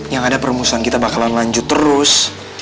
yang ada perumusan kita bakalan lanjut terus